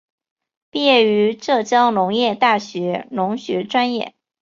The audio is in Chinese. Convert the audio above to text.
毕业于浙江农业大学农学专业。